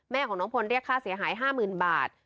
แม่ของน้องพลเรียกค่าเสียหาย๕๐๐๐บาท